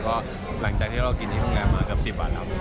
ก็หลังจากที่เรากินที่โรงแรมมาเกือบ๑๐บาทครับ